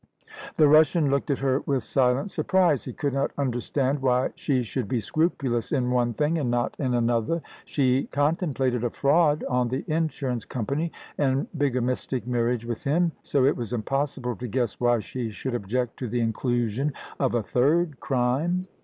The Russian looked at her with silent surprise. He could not understand why she should be scrupulous in one thing and not in another. She contemplated a fraud on the insurance company, and bigamistic marriage with him, so it was impossible to guess why she should object to the inclusion of a third crime.